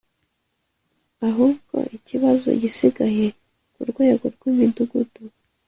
ahubwo ikibazo gisigaye ku rwego rw’Imudugudu